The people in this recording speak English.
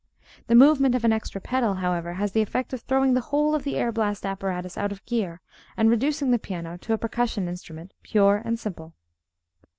The movement of an extra pedal, however, has the effect of throwing the whole of the air blast apparatus out of gear and reducing the piano to a percussion instrument, pure and simple.